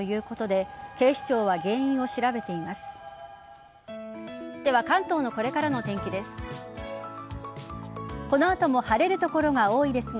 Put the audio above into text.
では、関東のこれからのお天気です。